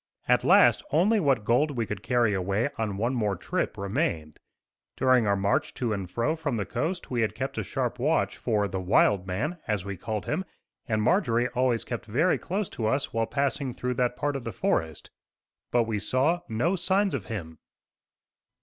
At last only what gold we could carry away on one more trip remained. During our march to and fro from the coast we had kept a sharp watch for the "wild man," as we called him, and Marjorie always kept very close to us while passing through that part of the forest. But we saw no signs of him.